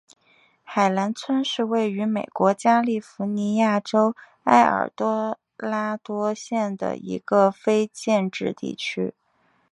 海兰村是位于美国加利福尼亚州埃尔多拉多县的一个非建制地区。